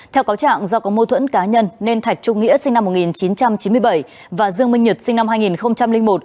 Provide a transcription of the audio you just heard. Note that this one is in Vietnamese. theo cáo trạng do có mô thuẫn cá nhân nên thạch trung nghĩa sinh năm một nghìn chín trăm chín mươi bảy và dương minh nhật sinh năm hai nghìn một